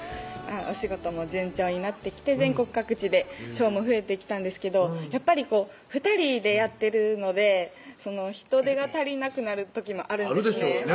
お仕事も順調になってきて全国各地でショーも増えてきたんですけどやっぱり２人でやってるので人手が足りなくなる時もあるんですね